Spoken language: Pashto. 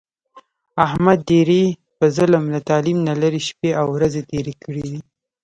احمد ډېرې په ظلم، له تعلیم نه لرې شپې او ورځې تېرې کړې دي.